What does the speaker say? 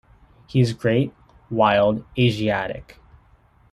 He is great, wild, Asiatic...